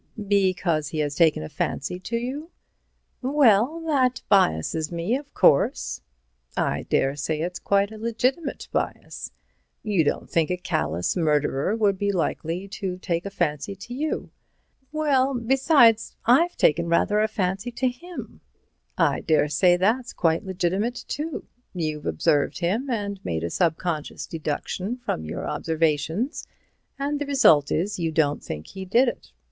"Because he has taken a fancy to you?" "Well, that biases me, of course—" "I daresay it's quite a legitimate bias. You don't think a callous murderer would be likely to take a fancy to you?" "Well—besides, I've taken rather a fancy to him." "I daresay that's quite legitimate, too. You've observed him and made a subconscious deduction from your observations, and the result is, you don't think he did it.